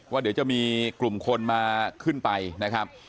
ว่าเดี๋ยวจะมีกลุ่มคนมาขึ้นไปนะครับ